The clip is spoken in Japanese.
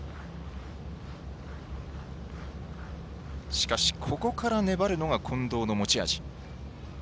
しかしここから粘るのが近藤の持ち味。